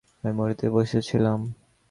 আমি মরিতে বসিয়াছিলাম, আমি বাঁচিয়া গিয়াছি।